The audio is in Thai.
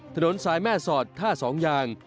ถนนสายแม่สอดท่าสองยาง